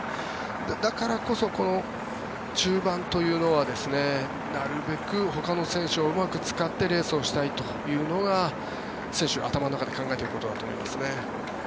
だからこそ、この中盤というのはなるべくほかの選手をうまく使ってレースをしたいというのが選手が頭の中で考えていることだと思いますね。